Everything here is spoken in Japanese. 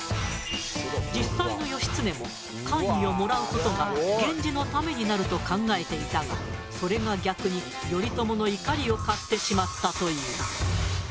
実際の義経も官位をもらう事が源氏のためになると考えていたがそれが逆に頼朝の怒りを買ってしまったという。